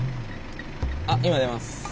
あっ今出ます。